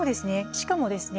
しかもですね